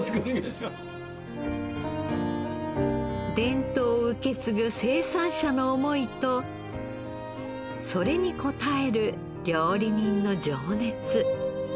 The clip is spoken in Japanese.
伝統を受け継ぐ生産者の思いとそれに答える料理人の情熱。